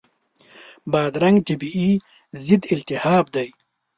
بادرنګ طبیعي ضد التهاب دی.